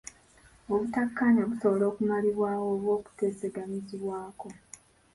Obutakkaanya busobola okumalibwawo oba okuteeseganyizibwako.